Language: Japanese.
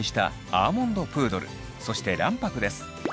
そして卵白です。